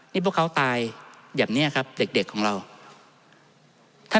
ท่านประธานครับนี่คือสิ่งที่สุดท้ายของท่านครับ